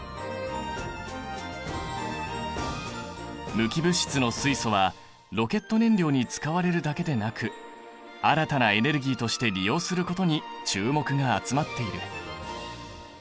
無機物質の水素はロケット燃料に使われるだけでなく新たなエネルギーとして利用することに注目が集まっている。